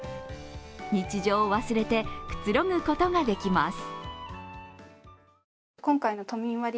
日常を忘れて、くつろぐことができます。